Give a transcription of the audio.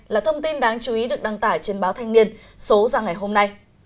là thông tin đáng chú ý được đăng tải trên báo thanh niên số ra ngày hôm nay